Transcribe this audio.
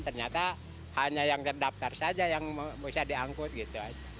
ternyata hanya yang terdaftar saja yang bisa diangkut